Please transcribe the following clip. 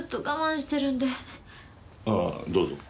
ああどうぞ。